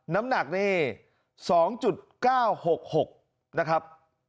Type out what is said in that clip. น้ำหนักนี่สองจุดเก้าหกหกนะครับ